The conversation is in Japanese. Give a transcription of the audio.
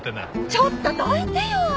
ちょっとどいてよ！